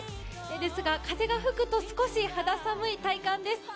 ですが、風が吹くと少し肌寒い体感です。